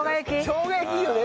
しょうが焼きいいよね！